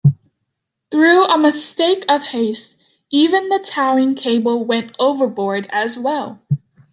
Through a mistake of haste, even the towing cable went overboard as well.